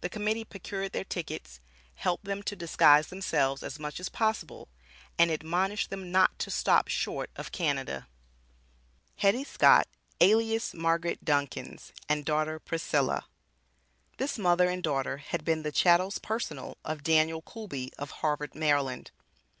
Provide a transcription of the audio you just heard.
The Committee procured their tickets, helped them to disguise themselves as much as possible, and admonished them not to stop short of Canada. HETTY SCOTT ALIAS MARGARET DUNCANS AND DAUGHTER PRISCILLA. This mother and daughter had been the "chattels personal" of Daniel Coolby of Harvard, Md.